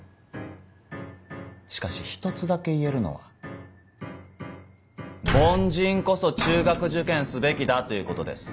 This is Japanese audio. しかし一つだけ言えるのは凡人こそ中学受験すべきだということです。